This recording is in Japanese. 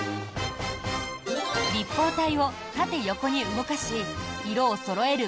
立方体を縦、横に動かし色をそろえる